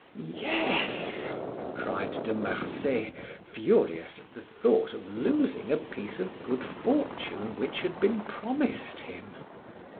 "Yes!" cried De Marsay, furious at the thought of losing a piece of good fortune which had been promised him.